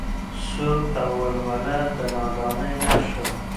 سور او ولوله د نادانۍ نښه ده.